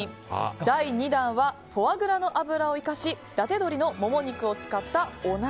第２弾はフォアグラの脂を生かし伊達鶏のモモ肉を使ったお鍋。